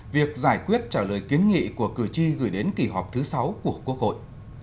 việc giải quyết trả lời kiến nghị của cử tri gửi đến kỳ họp thứ sáu của quốc hội